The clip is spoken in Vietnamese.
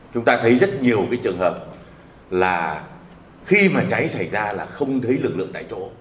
chúng ta thấy rất nhiều cái trường hợp là khi mà cháy xảy ra là không thấy lực lượng tại chỗ